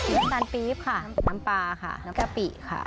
น้ำตาลปี๊บค่ะน้ำปลาค่ะน้ำกะปิค่ะ